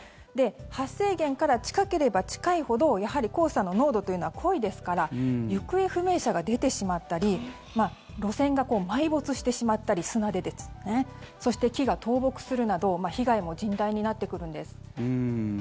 発生源から近ければ近いほどやはり黄砂の濃度というのは濃いですから行方不明者が出てしまったり路線が砂で埋没してしまったりそして木が倒木するなど被害も甚大になってくるんです。